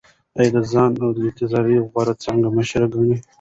ایا ده ځان د اعتراضي غورځنګ مشر ګڼي؟